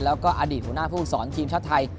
แล้วก็อดีตหัวหน้าภูมิสอนทีมชาติไทย